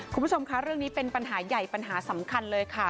คุณผู้ชมคะเรื่องนี้เป็นปัญหาใหญ่ปัญหาสำคัญเลยค่ะ